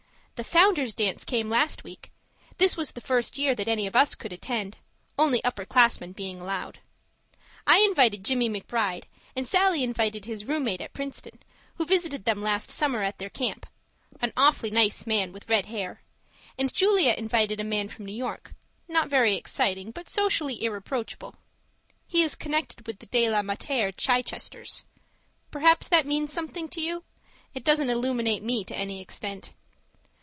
The Founder's dance came last week this was the first year that any of us could attend; only upper classmen being allowed. I invited Jimmie McBride, and Sallie invited his room mate at Princeton, who visited them last summer at their camp an awfully nice man with red hair and Julia invited a man from New York, not very exciting, but socially irreproachable. He is connected with the De la Mater Chichesters. Perhaps that means something to you? It doesn't illuminate me to any extent.